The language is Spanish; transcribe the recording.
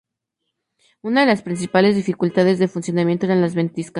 Una de las principales dificultades de funcionamiento eran las ventiscas.